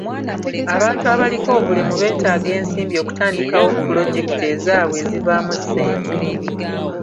Abantu abaliko obulemu beetaaga ensimbi okutandikawo pulojekiti ezaabwe ezivaamu ssente.